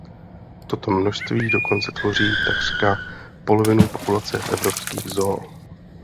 Toto množství dokonce tvoří takřka polovinu populace v evropských zoo.